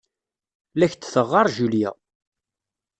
La ak-d-teɣɣar Julia.